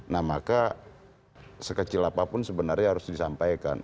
nah maka sekecil apapun sebenarnya harus disampaikan